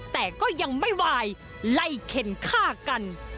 แต่ก็ยังไม่วายไล่เข็นฆ่ากัน